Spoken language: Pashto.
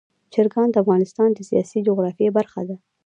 چرګان د افغانستان د سیاسي جغرافیه برخه ده.